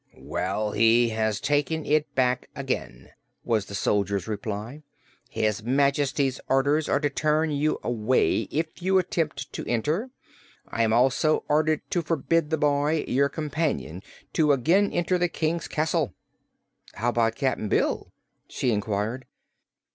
"Well, he has taken it back again," was the soldier's reply. "His Majesty's orders are to turn you away if you attempt to enter. I am also ordered to forbid the boy, your companion, to again enter the King's castle." "How 'bout Cap'n Bill?" she inquired.